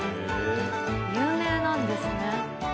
有名なんですね。